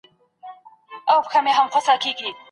د پيغمبر لارښوونې زموږ لپاره مشال دي.